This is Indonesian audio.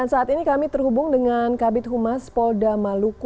dan saat ini kami terhubung dengan kabit humas poldamaluku